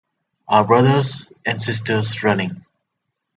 Our brothers and sisters running—